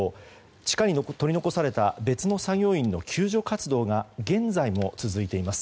地下に取り残された別の作業員の救助活動が現在も続いています。